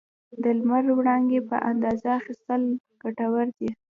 د لمر وړانګې په اندازه اخیستل ګټور دي.